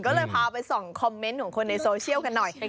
ก็เลยพาไปส่องคอมเมนต์ของคนในโซเชียลกันหน่อย